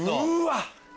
うわ！